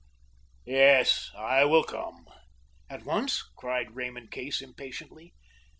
"Yes, I will come." "At once?" cried Raymond Case impatiently.